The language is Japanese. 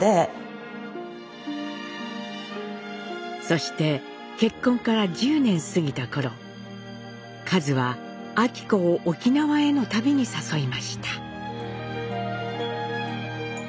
そして結婚から１０年過ぎた頃かづは昭子を沖縄への旅に誘いました。